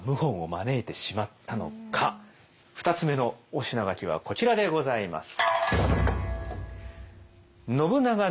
２つ目のお品書きはこちらでございます。